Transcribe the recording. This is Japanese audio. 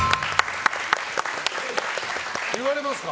言われますか？